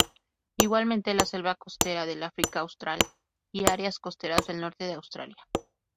Igualmente la selva costera del África austral y áreas costeras del norte de Australia.